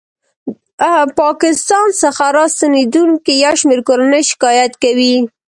ه پاکستان څخه راستنېدونکې یو شمېر کورنۍ شکایت کوي